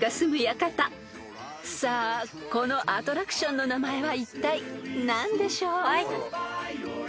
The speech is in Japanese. ［さあこのアトラクションの名前はいったい何でしょう？］